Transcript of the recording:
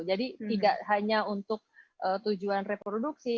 jadi tidak hanya untuk tujuan reproduksi